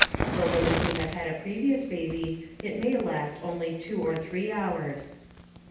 For women who have had a previous baby, it may last only 2 or 3 hours.